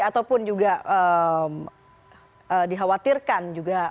ataupun juga dikhawatirkan